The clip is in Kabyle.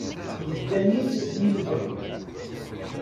Yedda-yi-d di lebɣi.